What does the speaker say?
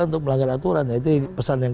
untuk melanggar aturan itu pesan yang